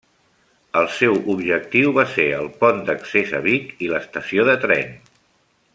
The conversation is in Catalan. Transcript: El seu objectiu va ser el pont d'accés a Vic i l'estació de tren.